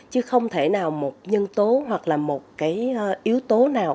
chứ không thể nào một nhân tố hoặc là một cái yếu tố nào